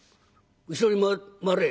後ろに回れ。